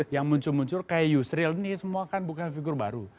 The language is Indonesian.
yang muncul muncul kayak yusril ini semua kan bukan figur baru